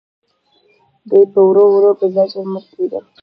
دوی به ورو ورو په زجر مړه کېدل.